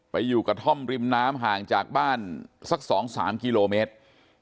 อยู่กระท่อมริมน้ำห่างจากบ้านสัก๒๓กิโลเมตร